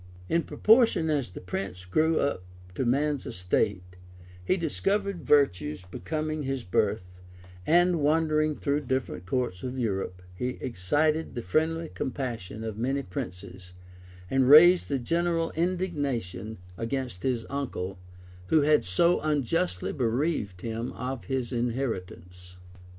] In proportion as the prince grew up to man's estate, he discovered virtues becoming his birth; and wandering through different courts of Europe, he excited the friendly compassion of many princes, and raised a general indignation against his uncle, who had so unjustly bereaved him of his inheritance.